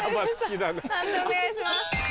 判定お願いします。